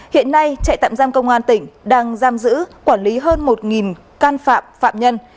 hiện nay trại tạm giam công an tỉnh đang giam giữ quản lý hơn một can phạm phạm nhân